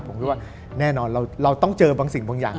ผมคิดว่าแน่นอนเราต้องเจอบางสิ่งบางอย่าง